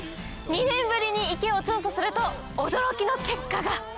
２年ぶりに池を調査すると驚きの結果が！